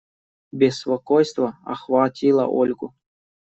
Беспокойство охватило Ольгу.